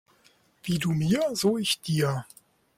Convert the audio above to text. Wie du mir so ich dir.